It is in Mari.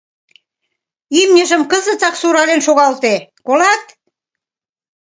Имньыжым кызытак сурален шогалте, колат...